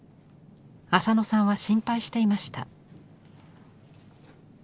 浅野さんは心配していました。